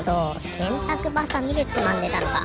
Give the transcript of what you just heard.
せんたくばさみでつまんでたのか。